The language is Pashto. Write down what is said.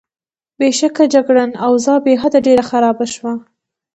بېشکه، جګړن: اوضاع بېحده ډېره خرابه شوه.